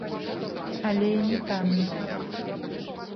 Але і не танна.